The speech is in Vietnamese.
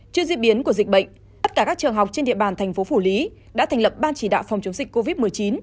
trước diễn biến của dịch bệnh tất cả các trường học trên địa bàn thành phố phủ lý đã thành lập ban chỉ đạo phòng chống dịch covid một mươi chín